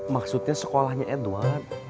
maksudnya sekolahnya edward